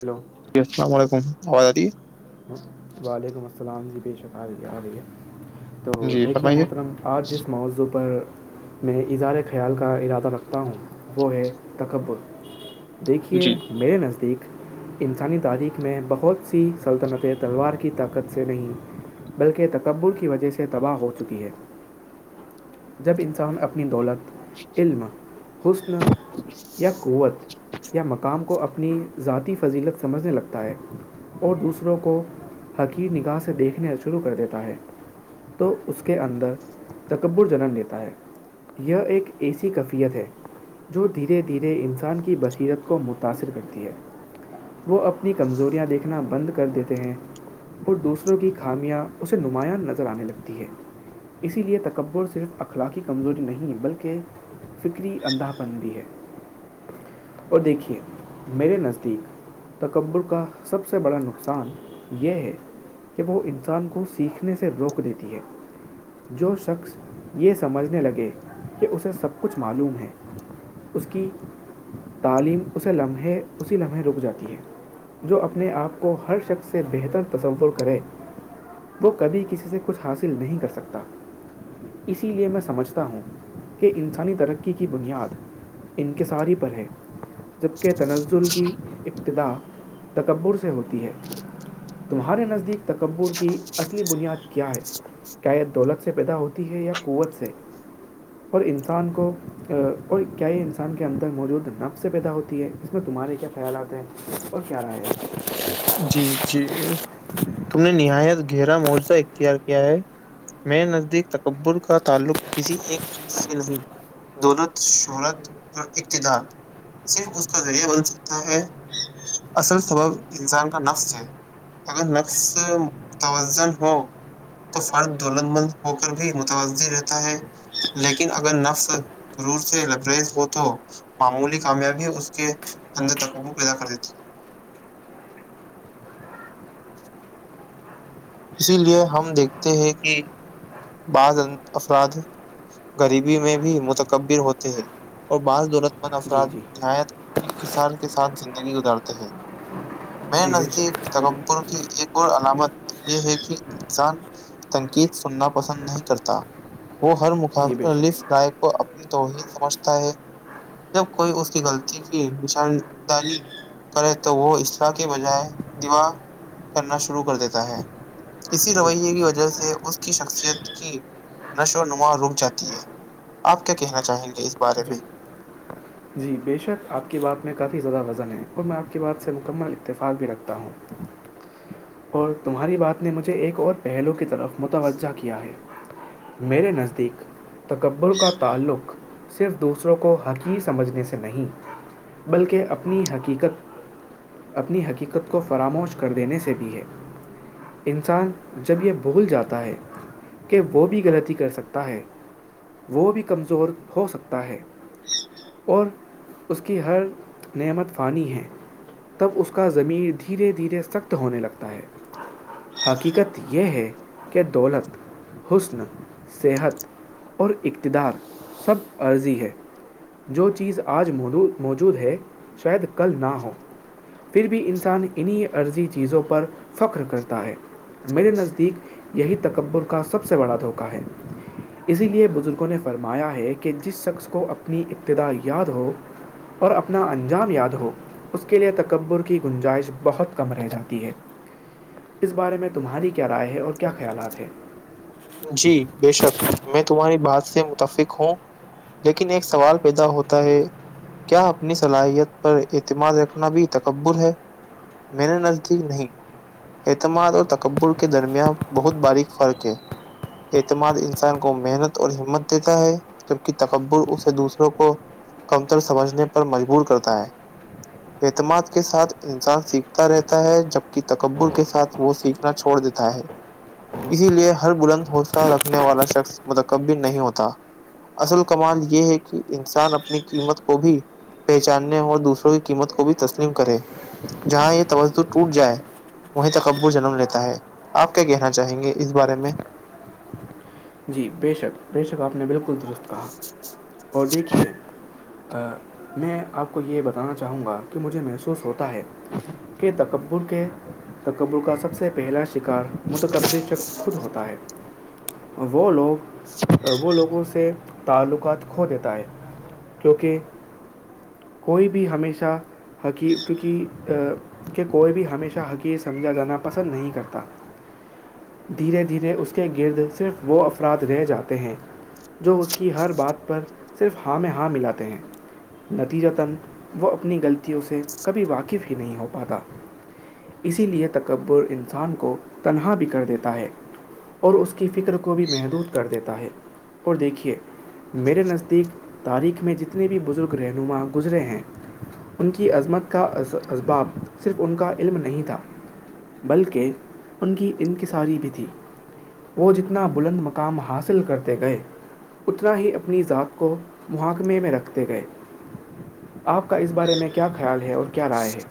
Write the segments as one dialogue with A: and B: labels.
A: hello
B: جی السلام علیکم آواز ارہی ہیں
A: وعلیکم السلام جی بے شک آرہی ہے ارہی ہے
B: ہے
A: تو
B: جی
A: دیکھیے
B: فرمائیے
A: محترم آج جس موضوع پر میں اظہار خیال کا ارادہ رکھتا ہوں وہ ہے تکبر دیکھیے
B: جی
A: میرے نزدیک انسانی تاریخ میں بہت سی سلطنتیں تلوار کی طاقت سے نہیں بلکہ تکبر کی وجہ سے تباہ ہو چکی ہے جب انسان اپنی دولت علم حسن یا قوت یا مقام کو اپنی ذاتی فضیلت سمجھنے لگتا ہے اور دوسروں کو حقیر نگاہ سے دیکھنا شروع کر دیتا ہے تو اس کے اندر تکبر جنم لیتا ہے یہ ایک ایسی کیفیت ہے جو دھیرے دھیرے انسان کی بصیرت کو متاثر کرتی ہے وہ اپنی کمزوریاں دیکھیں دیکھنا بند کر دیتے ہیں اور دوسروں کی خامیاں اسے نمایاں نظر آنے لگتی ہے اسی لے تکبر صرف اخلاقی کمزوری نہیں بلکہ فکری اندھا پن بھی ہے اور دیکھیے میرے نزدیک تکبر کا سب سے بڑا نقصان یہ ہے کہ وہ انسان کو سیکھنے سے روک دیتی ہے جو شخص یہ سمجھنے لگے کہ اسے سب کچھ معلوم ہے اس کی تعلیم اسے لمحے اسی لمحے رک جاتی ہے جو اپنے آپ کو ہر شخص سے بہتر تصور کرے وہ کبھی کسی سے کچھ حاصل نہیں کر سکتا اسی لے میں سمجھتا ہوں کہ انسانی ترقی کی بنیاد انکصاری پر ہے جبکہ تنزل کی ابتدا تکبر سے ہوتی ہے تمہارے نزدیک تکبر کی اصلی بنیاد کیا ہے کیا یہ دولت سے پیدا ہوتی ہے یا قوت سے اور انسان کو اور کیا یہ انسان کے اندر موجود نفس سے پیدا ہوتی ہے اس میں تمہارے کیا خیالات ہیں اور کیا رائی ہے
B: جی جی تم نے نہایت گہرا معجزہ اختیار کیا ہے میرے نزدیک تکبر کا تعلق کسی ایک چیز سے نہیں دولت شہرت اور ابتدار صرف اس کا ذریعہ بن سکتا ہے اصل سبب انسان کا نفس ہے اگر نفس متوظن ہو تو فرد دولت مند ہو کر بھی متوازہ رہتا ہے لیکن اگر نفس گرور سے لبریز ہو تو معمولی کامیابی اس کے اندر تکبر پیدا کر دیتی ہے [inaudible] اسی لیے ہم دیکھتے ہیں کہ بعض افراد غریبی میں بھی متقبر ہوتے ہیں اور بعض دولت مند
A: جی
B: افراد
A: جی
B: نہایت انکسار کے ساتھ زندگی گزارتے ہیں میرے
A: جی بے
B: نزدیک
A: شک
B: تکبر کی ایک اور علامت یہ ہے کہ انسان تنقیت سننا پسند نہیں کرتا وہ ہر
A: جی بے
B: مخلف
A: شک
B: رائے کو اپنی توہین سمجھتا ہے جب کوئی اس کی غلطی کی نشان داہی کرے تو وہ اسصرا کے بجائے دیوا کرنا شروع کر دیتا ہے اسی
A: جی
B: رویے کی وجہ سے اس کی شک کی نشو و نما رک جاتی ہے آپ کیا کہنا چاہیں گے اس بارے میں
A: جی جی بےشک آپ کی بات میں کافی زیادہ وزن ہے اور میں آپ کی بات سے مکمل اتفاق بھی رکھتا ہوں اور تمہاری بات نے مجھے ایک اور پہلو کی طرف متوجہ کیا ہے میرے نزدیک تکبر کا تعلق [unintelligible] صرف دوسروں کو حقیق سمجھنے سے نہیں بلکہ اپنی حقیقت اپنی حقیقت کو فراموش کر دینے سے بھی ہے انسان جب یہ بھول جاتا ہے کہ وہ بھی غلطی کر سکتا ہے وہ بھی کمزور ہو سکتا ہے اور اس کی ہر نعمت فانی ہے تب اس کا زمین دھیرے دھیرے سخت ہونے لگتا ہے حقیقت یہ ہے کہ دولت حسن صحت اور اقتدار سب عرضی ہے جو چیز آج موجود ہے شاید کل نہ ہو پھر بھی انسان انہیں عرضی چیزوں پر فخر کرتا ہے میرے نزدیک یہی تکبر کا سب سے بڑا دھوکا ہے اسی لیے بزرگوں نے فرمایا ہے کہ جس شخص کو اپنی ابتدا یاد ہو اور اپنا انجام یاد ہو اس کے لئے تکبر کی گنجائش بہت کم رہ جاتی ہے اس بارے میں تمہاری کیا رائے ہے اور کیا خیالات ہیں
B: جی بے شک میں تمہاری بات سے متفق ہوں لیکن ایک سوال پیدا ہوتا ہے کیا اپنی صلاحیت پر اعتماد رکھنا بھی تکبر ہے میرے نز چ نہیں [unintelligible] اعتماد اور تکبر کے درمیان بہت باریک فرق ہے اعتماد انسان کو محنت اور ہمت دیتا ہے جبک تکبر اسے دوسروں کو کمتر سمجھنے پر مجبور کرتا ہے اعتماد کے ساتھ انسان سیکھتا رہتا ہے جبک تکبل کے ساتھ وہ سیکھ چھوڑ دیتا ہے اسی لیے ہر بلند حوصلہ رکھنے والا شخص متقب بھی نہیں ہوتا اصل کمال یہ ہے کہ انسان اپنی قیمت کو بھی پہچاننے اور دوسروں کی قیمت کو بھی تسلیم کرے جہاں یہ توجہ ٹوٹ جائے وہیں تکبر جنم لیتا ہے آپ کیا کہنا چاہیں گے اس بارے میں
A: جی بے شک بے شک آپ نے بالکل درست کہا اور دیکھیے میں آپ کو یہ بتانا چاہوں گا کہ مجھے محسوس ہوتا ہے کہ تک تبر کے تکبر کا سب سے پہلا شکار متکبر شخص خود ہوتا ہے وہ لوگ وہ لوگوں سے تعلقات کھو دیتا ہے کیونکہ کوئی بھی ہمیشہ حقیق کیونکہ کہ کوئی بھی ہمیشہ حقیق سمجھا جانا پسند نہیں کرتا دھیرے دھیرے اس کے گرد صرف وہ افراد رہ جاتے ہیں جو اس کی ہر بات پر صرف ہاں میں ہاں ملاتے ہیں نتیجہ تن وہ اپنی غلطیوں سے کبھی واقف ہی نہیں ہو پاتا اسی لے تکبر انسان کو تنہا بھی کر دیتا ہے اور اس کی فکر کو بھی محدود کر دیتا ہے اور دیکھیے میرے نزدیک تاریخ میں جتنے بھی بزرگ رہنما گزرے ہیں ان کی عظمت کا اسباب صرف ان کا علم نہیں تھا بلکہ ان کی انکصاری بھی تھی وہ جتنے اپنا بلند مقام حاصل کرتے گئے اتنا ہی اپنی ذات کو محاکمے میں رکھتے گئے آپ کا اس بارے میں کیا خیال ہے اور کیا رائے ہے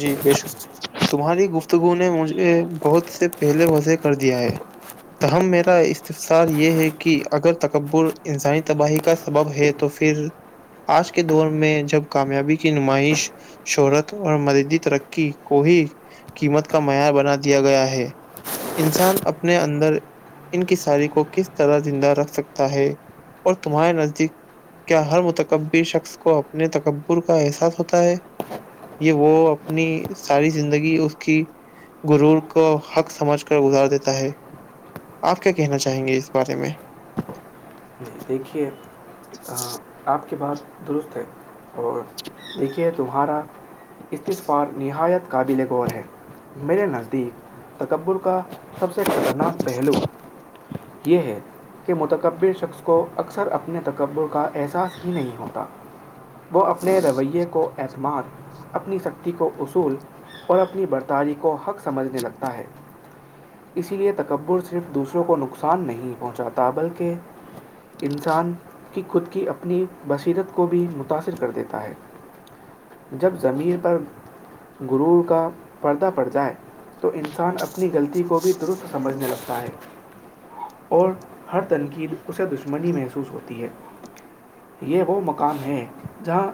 B: جی بے شک تمہاری گفتگو نے مجھے بہت سے پہلے وضعح کر دیا ہے تاہم میرا استفصار یہ ہے کہ اگر تکبر انسانی تباہی کا سبب ہے تو پھر آج کے دور میں جب کامیابی کی نمائش شہرت اور اور مدیدی ترقی کو ہی قیمت کا معیار بنا دیا گیا ہے انسان اپنے اندر ان کی ساری کو کس طرح زندہ رکھ سکتا ہے اور تمہارے نزدیک کیا ہر متکب شخص کو اپنے تکبر کا احساس ہوتا ہے یہ وہ اپنی ساری زندگی اس کی گرور کو حق سمجھ کر گزار دیتا ہے آپ کیا کہنا چاہیں گے اس بارے میں
A: دیکھیے آپ کے بات درست ہے اور دیکھیے تمہارا استصفار نہایت قابل غور ہے میرے نزدیک تکبر کا سب سے خطرناک پہلو یہ ہے کہ متقبل شخص کو اکثر اپنے تکبر کا احساس ہی نہیں ہوتا وہ اپنے رویے کو اعتماد اپنی سختی کو اصول اور اپنی برتاری کو حق سمجھنے لگتا ہے اسی لیے تکبر صرف دوسروں کو نقصان نہیں پہنچاتا بلکہ انسان کی خود کی اپنی بصیرت کو بھی متاثر کر دیتا ہے جب زمین پر رور کا پردہ پڑ جائے تو انسان اپنی غلطی کو بھی درست سمجھنے لگتا ہے اور ہر تنقید اسے دشمن محسوس ہوتی ہے یہ وہ مقام ہے جہاں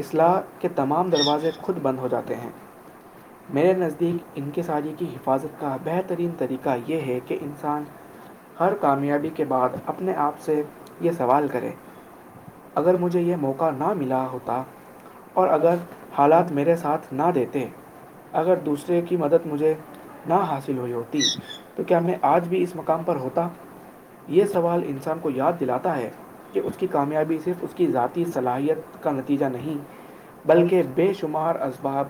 A: اصلاح کہ تمام دروازے خود بند ہو جاتے ہیں میرے نزدیک انک ساری کی حفاظت کا بہترین طریقہ یہ ہے کہ انسان ہر کامیابی کے بعد اپنے آپ سے یہ سوال کریں اگر مجھے یہ موقع نہ ملا ہوتا اور
B: جی
A: اگر حالات میرے ساتھ نہ دیتے اگر دوسرے کی مدد مجھے نہ حاصل ہوئی ہوتی تو کیا میں آج بھی اس مقام پر ہوتا یہ سوال انسان کو یاد دلاتا ہے کہ اس کی کامیابی صرف اس کی ذاتی صلاحیت کا نتیجہ نہیں بلکہ بے شمار اسباب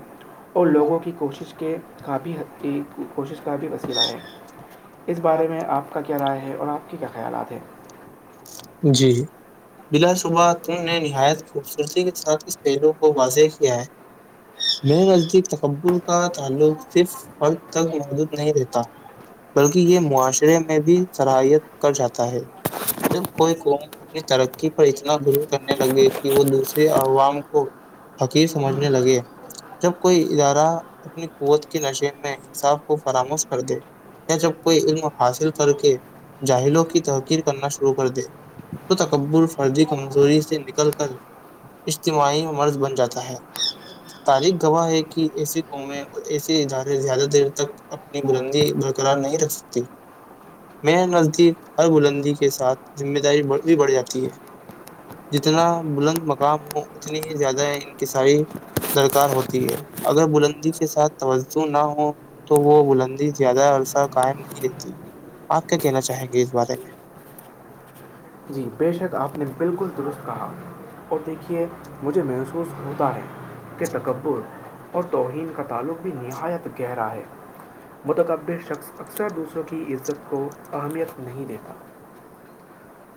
A: اور لوگوں کی کوشش کے کا بھی کوشش کا بھی وسیلہ ہے اس بارے میں آپ کا کیا رائے ہے اور آپ کے کیا خیالات ہیں
B: جی بلا صبح تم نے نہایت خوبصورتی کے ساتھ اس پہلو کو واضح کیا ہے میں نزدیک تکبر کا تعلق صرف فرد تک موجود نہیں رہتا بلکہ یہ معاشرے میں بھی صلاحیت کر جاتا ہے ج کوئی قوم اپنی ترقی پر اتنا ور کرنے لگے کہ وہ دوسرے عوام کو فقیر سمجھنے لگے جب کوئی ادارہ اپنی قوت کی نشے میں انصاف کو فراموش کر دے جب کوئی علم حاصل کر کے جاہلوں کی تحقیر کرناع کر دے تو تکبر فرضی کمزوری سے نکل کر اجتماعی مرض بن جاتا ہے تاریخ گواہ ہے کہ ایسی قومیں اور ایسے ادارے زیادہ دیر تک اپنی بلندی برقرار نہیں رکھ سکتی میں نزدیک ہر بلندی کے ساتھ ذمہ داری بھی بڑھ جاتی ہے جتنا بلند مقام ہو اتنی ہی زیادہ انقسائی درکار ہوتی ہے اگر بلندی کے ساتھ توجہ نہ ہ تو وہ بلندی زیادہ عرصہ قائم نہیں رہتی آپ کیا کہنا چاہیں گے اس بارے میں
A: جی بے شک آپ نے بالکل درست کہا اور دیکھیے مجھے محسوس ہوتا ہے کہ تکبر اور توہین کا تعلق بھی نہایت گہرا ہے متقبل شخص اکثر دوسروں کی عزت کو اہمیت نہیں دیتا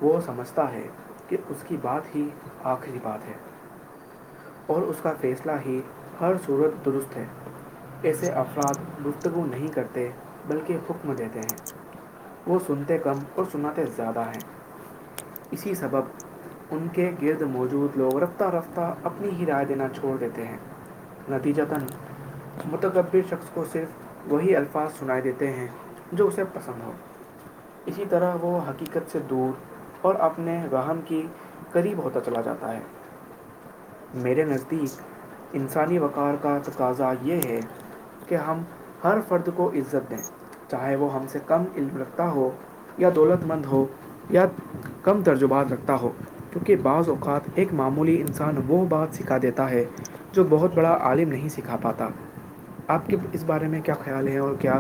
A: وہ سمجھتا ہے کہ اس کی بات ہی آخری بات ہے اور اس کا فیصلہ ہی ہر صورت درست ہے ایسے افراد درست گفتگو نہیں کرتے بلکہ حکم دیتے ہیں وہ سنتے کم اور سناتے زیادہ ہیں اسی سبب ان کے گرد موجود لوگ رفتہ رفتہ اپنی ہی رائے دینا چھوڑ دیتے ہیں نتیجہ ت نہیں متقبر شخص کو صرف وہی الفاظ سنائی دیتے ہیں جو اسے پسند ہو اسی طرح وہ حقیقت سے دور اور اپنے راہن کی قریب ہوتا چلا جاتا ہے میرے نزدیک انسانی وقار کا تقاضا یہ ہے کہ ہم ہر فرد کو عزت دیں چاہے وہ ہم سے کم علم رکھتا ہو یا دولت مند ہو یا کم ترجبات رکھتا ہو کیونکہ بعض اوقات ایک معمولی انسان وہ بات سکھا دیتا ہے جو بہت بڑا عالم نہیں سکھا پاتا آپ کے اس بارے میں کیا خیال ہیں اور کیا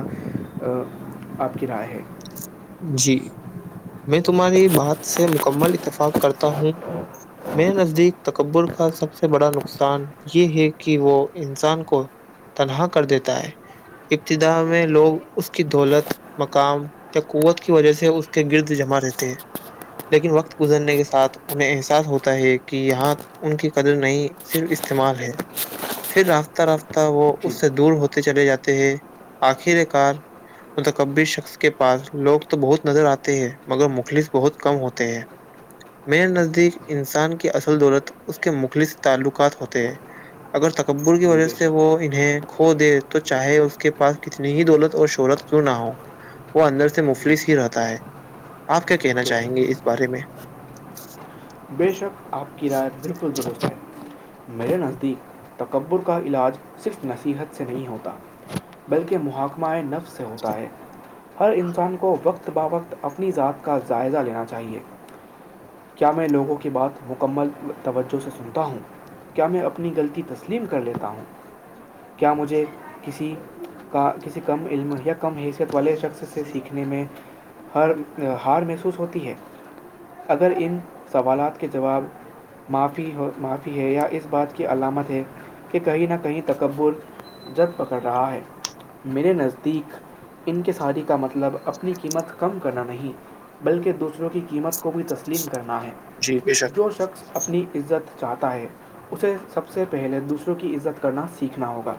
A: آپ کی رائے ہے
B: جی میں تمہاری بات سے مکمل اتفاق کرتا ہوں میں نزدیک تکبر کا سب سے بڑا نقصان یہ ہے کہ وہ انسان کو تنہا کر دیتا ہے ابتدا میں لوگ اس کی دولت مقام یا قوت کی وجہ سے اس کے گرد جمع رہتے ہیں لیکن وقت گزرنے کے ساتھ انہیں احساس ہوتا ہے کہ یہاں ان کی قدر نہیں صرف استعمال ہے پھر راستہ راستہ وہ
A: جی
B: اس سے دور ہوتے چلے جاتے ہیں آخر کار متقبر شخص کے پاس لوگ تو بہت نظر آتے ہیں مگر مخلص بہت کم ہوتے ہیں میرے نزدیک انسان کی اصل دولت اس کے مخلص تعلقات ہوتے ہیں اگر تکبر کی
A: جی
B: وجہ
A: بے
B: سے
A: شک
B: وہ انہیں کھو دے تو چاہے کے پاس کتنی ہی دولت اور شہرت کیوں نہ ہو وہ اندر سے
A: جی
B: مفلس ہی رہتا ہے آپ کیا کہنا
A: بے شک
B: چاہیں گے اس بارے میں
A: بے شک آپ کی رائے بالکل درست ہے میرے نزدیک تکبر کا علاج صرف نصیحت سے نہیں ہوتا بلکہ محاکہ مائع نف سے ہوتا ہے ہر انسان کے کو وقت ب وقت اپنی ذات کا جائزہ لینا چاہیے کیا میں لوگوں کو کی بات مکمل توجہ سے سنتا ہوں کیا میں اپنی غلطی تس تسلیم کر لیتا ہوں کیا مجھے کسی کا کسی کم علم یا کم حیثیت والے شخص سے سیکھنے میں ہر ہار محسوس ہوتی ہے اگر ان سوالات کے جواب ی معافی ہے یا اس بات کی علامت ہے کہ کہیں نہ کہیں تکبر جد پکڑ رہا ہے میرے نزدیک ان کے ساریی کا مطلب اپنی قیمت کم کرنا نہیں بلکہ دوسروں کی قیمت کو بھی تسلیم کرنا ہے
B: جی بے شک
A: جو شخص اپنی عزت چاہتا ہے اسے سب سے پہلے دوسروں کی عزت کرنا سیکھنا ہوگا